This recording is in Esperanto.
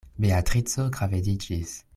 Beatrico gravediĝis.